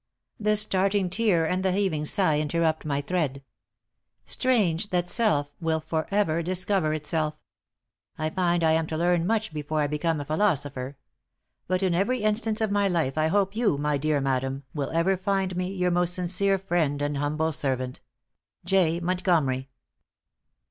"The starting tear, and the heaving sigh, interrupt my thread. Strange that self will for ever discover itself! I find I am to learn much before I become a philosopher; but in every instance of my life I hope you, my dear madam, will ever find me your most sincere friend and humble servant, "J. Montgomery."